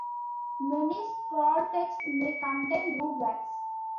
Many scrolltext may contain rude words.